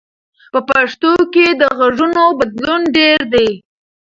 په پښتو کې د غږونو بدلون ډېر دی.